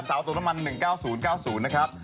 สาวตนมัน๑๙๐๙๐นะครับ